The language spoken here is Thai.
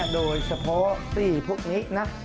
โดยเฉพาะตี้พวกนี้นะ